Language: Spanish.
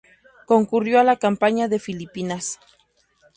Concurrió a la campaña de Filipinas.